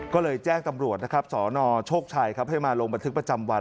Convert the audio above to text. ก็เลยแจ้งตำรวจนะครับสนโชคชัยครับให้มาลงบันทึกประจำวัน